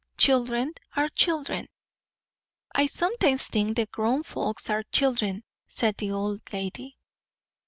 Children are children." "I sometimes think the grown folks are children," said the old lady.